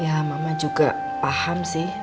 ya mama juga paham sih